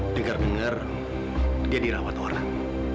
dengar dengar dia dirawat orang